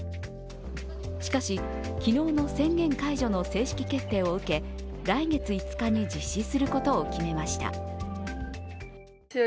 しかし、昨日の宣言解除の正式決定を受け来月５日に実施することを決めました。